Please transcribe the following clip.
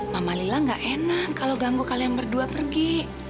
mama lila gak enak kalau ganggu kalian berdua pergi